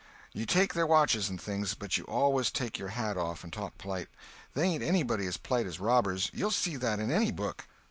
You take their watches and things, but you always take your hat off and talk polite. They ain't anybody as polite as robbers—you'll see that in any book.